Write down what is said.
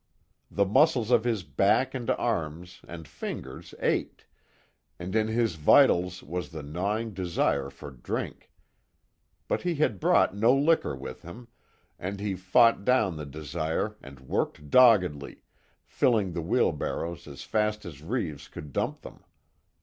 The muscles of his back and arms and fingers ached, and in his vitals was the gnawing desire for drink. But he had brought no liquor with him, and he fought down the desire and worked doggedly, filling the wheelbarrows as fast as Reeves could dump them.